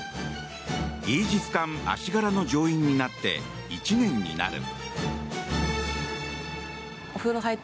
イージス艦「あしがら」の乗員になって１年になる。